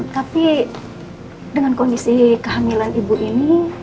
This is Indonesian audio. tapi dengan kondisi kehamilan ibu ini